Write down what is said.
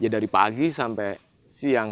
dari pagi sampai siang